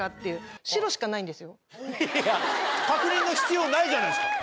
確認の必要ないじゃないですか。